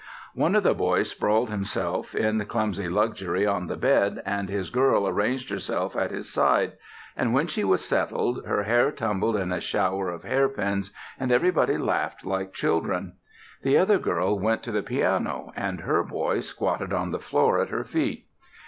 One of the boys sprawled himself, in clumsy luxury, on the bed, and his girl arranged herself at his side, and when she was settled her hair tumbled in a shower of hairpins, and everybody laughed like children. The other girl went to the piano, and her boy squatted on the floor at her feet.